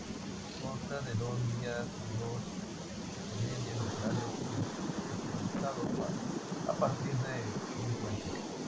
Consta de dos vías con dos andenes laterales interconectados a partir de un puente.